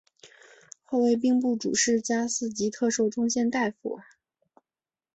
后为兵部主事加四级特授中宪大夫。